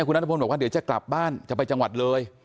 คุณนัทพลบอกว่าเดี๋ยวจะกลับบ้านจะไปจังหวัดเลย